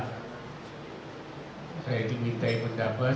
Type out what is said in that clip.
saya diminta pendapat